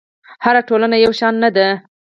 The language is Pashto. هره ټولنه یو شان نه ده.